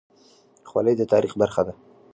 خولۍ د تاریخ برخه ده.